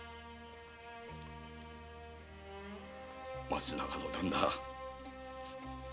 松永の旦那。